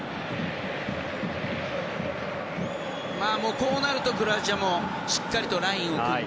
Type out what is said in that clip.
こうなるとクロアチアはしっかりとラインを組んで。